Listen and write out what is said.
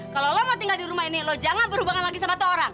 kalau lo mau tinggal di rumah ini lo jangan berhubungan lagi sama tuh orang